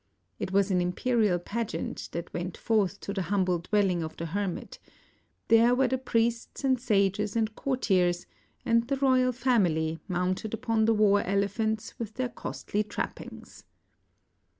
It was an imperial pageant that went forth to the humble dwelling of the hermit ; there 1.5 INDL\ were the priests and sages and courtiers, and the royal family, mounted upon the war elephants with their costly trappings.